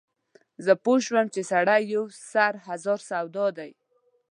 زه پوی شوم چې سړی یو سر هزار سودا دی.